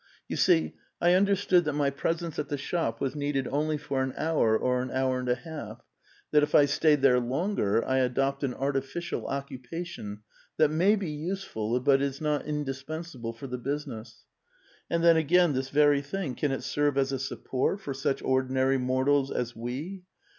You see, I understood that m}' pres ence at the shop was needed only for an hour or an hour and a half ; that if I stayed there longer, I adopt an artifi cial occupation, that may be useful, but is not indispensable for the business. And then, again, this very thing, can it serve as a support for such ordinary mortals as we?